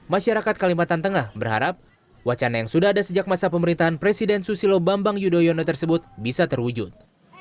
masyarakat kalimantan tengah berharap wacana yang sudah ada sejak masa pemerintahan presiden susilo bambang yudhoyono tersebut bisa terwujud